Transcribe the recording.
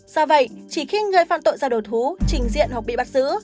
do vậy chỉ khi người phạm tội ra đầu thú trình diện hoặc bị bắt giữ